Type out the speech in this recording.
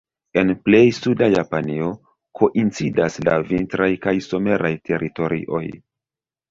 En plej suda Japanio koincidas la vintraj kaj someraj teritorioj.